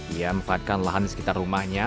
ia memanfaatkan lahan di sekitar rumahnya